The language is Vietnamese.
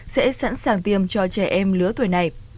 sẽ sẵn sàng tiêm cho trẻ em lứa tuổi này